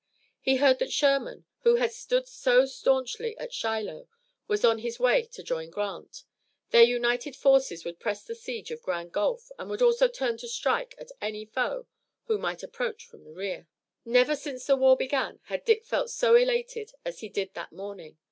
He heard that Sherman, who had stood so staunchly at Shiloh, was on his way to join Grant. Their united forces would press the siege of Grand Gulf and would also turn to strike at any foe who might approach from the rear. Never since the war began had Dick felt so elated as he did that morning.